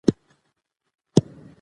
سیاسي مشارکت د پرمختګ لاره ده